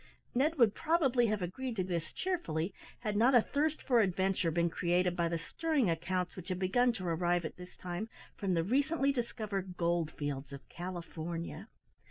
Ned would probably have agreed to this cheerfully, had not a thirst for adventure been created by the stirring accounts which had begun to arrive at this time from the recently discovered gold fields of California.